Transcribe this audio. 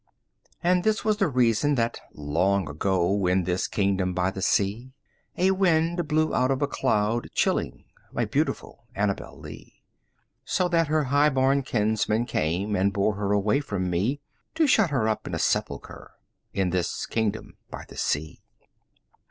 And this was the reason that, long ago, In this kingdom by the sea, A wind blew out of a cloud, chilling 15 My beautiful Annabel Lee; So that her highborn kinsmen came And bore her away from me, To shut her up in a sepulchre In this kingdom by the sea.